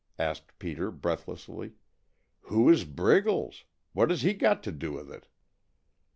asked Peter breathlessly. "Who is Briggles? What has he got to do with it?"